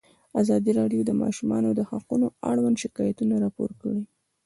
ازادي راډیو د د ماشومانو حقونه اړوند شکایتونه راپور کړي.